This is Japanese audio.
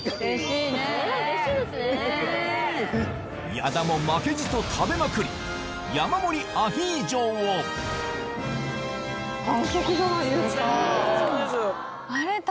矢田も負けじと食べまくり山盛りアヒージョを完食じゃないですか。